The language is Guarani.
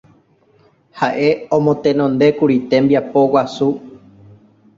Ha'e omotenondékuri tembiapo guasu